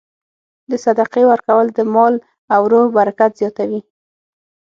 د صدقې ورکول د مال او روح برکت زیاتوي.